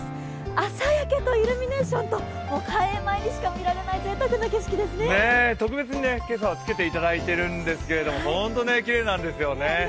朝焼けとイルミネーションと開園前しか見られない特別に今朝はつけていただいているんですけれども、本当にきれいなんですよね。